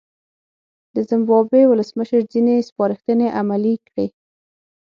د زیمبابوې ولسمشر ځینې سپارښتنې عملي کړې.